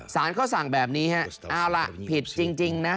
สารเขาสั่งแบบนี้ฮะเอาล่ะผิดจริงนะ